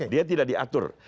dia tidak diatur